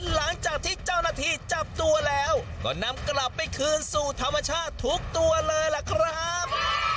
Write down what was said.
หลังจากที่เจ้าหน้าที่จับตัวแล้วก็นำกลับไปคืนสู่ธรรมชาติทุกตัวเลยล่ะครับ